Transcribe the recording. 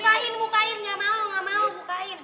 bukain bukain gak mau gak mau